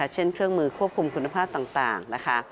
เช่นเครื่องมือควบคุมคุณภาพต่างนะคะ